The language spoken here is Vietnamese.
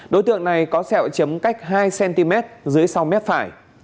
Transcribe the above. đối tượng này có sẹo chấm cách hai cm dưới sau mép phải